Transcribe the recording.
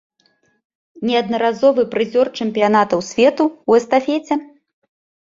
Неаднаразовы прызёр чэмпіянатаў свету ў эстафеце.